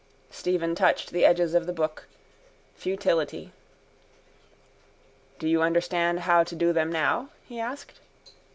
Stephen touched the edges of the book. Futility. —Do you understand how to do them now? he asked.